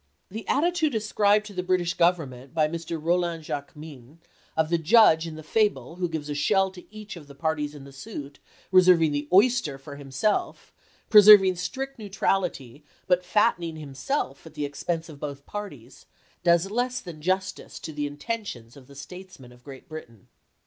The attitude ascribed to the British Government, by Mr. Rolin Jacquemyns, of the judge in the fable 260 ABRAHAM LINCOLN who gives a shell to each of the parties in the suit, reserving the oyster for himself, preserving strict neutrality, but fattening himself at the expense of both parties, does less than justice to the intentions of the statesmen of G reat Britain.